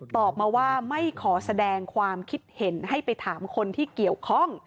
ตอบมาว่าไม่ขอแสดงความคิดเห็นให้ไปถามคนที่เกี่ยวข้อง